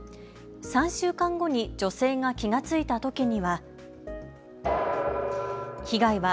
３週間後に女性が気が付いたときには。